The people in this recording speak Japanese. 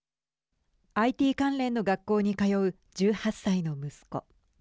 ＩＴ関連の学校に通う１８歳の息子。